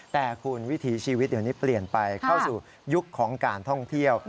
แต่คุณวิถีชีวิตเดี๋ยวนี้เปลี่ยนไปเข้าสู่ยุคของการท่องเที่ยว